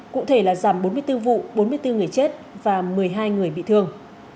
cụ thể là giảm bốn mươi bốn vụ bốn mươi bốn người chết và một mươi hai người bị thương